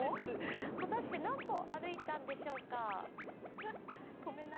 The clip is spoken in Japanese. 果たして何歩歩いたんでしょうか？